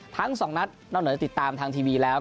ทั้งสองนัดนอกเหนือจากติดตามทางทีวีแล้ว